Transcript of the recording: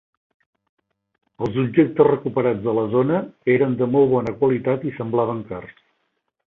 Els objectes recuperats de la zona eren de molt bona qualitat i semblaven cars.